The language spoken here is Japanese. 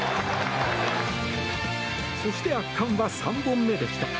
そして圧巻は３本目でした。